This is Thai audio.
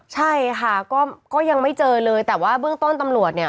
ใช่ค่ะก็ยังไม่เจอเลยแต่ว่าเบื้องต้นตำรวจเนี่ย